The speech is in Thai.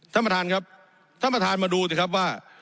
ท่านประธานครับท่านประธานมาดูสิครับว่า